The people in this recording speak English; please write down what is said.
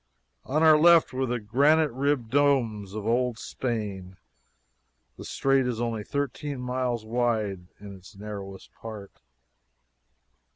On our left were the granite ribbed domes of old Spain. The strait is only thirteen miles wide in its narrowest part.